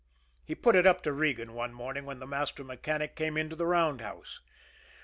He put it up to Regan one morning when the master mechanic came into the roundhouse.